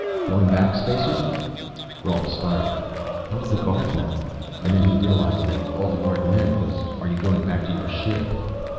"Going back, Spacer?" Rolf started. How did the guard know? And then he realized that all the guard meant was, are you going back to your ship?